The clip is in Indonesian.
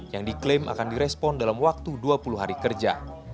yang diklaim akan direspon dalam waktu dua puluh hari kerja